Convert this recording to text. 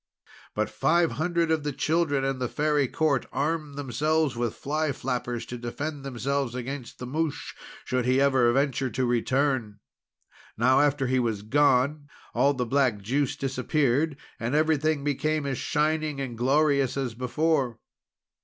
"But five hundred of the children in the Fairy Court armed themselves with fly flappers, to defend themselves against Mouche if he should ever venture to return. Now after he was gone, all the black juice disappeared, and everything became as shining and glorious as before.